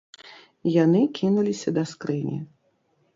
Яны кінуліся да скрыні.